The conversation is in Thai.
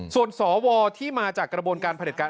ส่วนสวที่มาจากกระบวนการผลิตการ